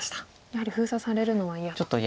やはり封鎖されるのは嫌と。